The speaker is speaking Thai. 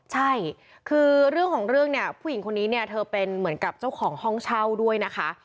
ใช่คือเรื่องของเรื่องเนี่ยผู้หญิงคนนี้เนี่ยเธอเป็นเหมือนกับเจ้าของห้องเช่าด้วยนะคะ